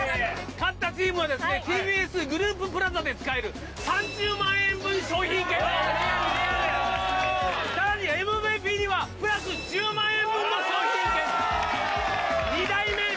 勝ったチームはですねＴＢＳグループＰＬＡＺＡで使える３０万円分商品券をおおさらにＭＶＰにはプラス１０万円分の商品券２代目え？